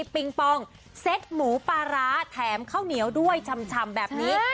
ปิงปองเซ็ตหมูปลาร้าแถมข้าวเหนียวด้วยชำแบบนี้